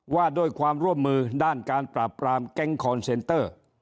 ว่าด้วยความร่วมมือด้านการปราบปรามแก๊งคอนเซนเตอร์